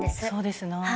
そうですね。